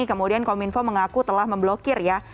kemudian kominfo mengaku telah memblokir ya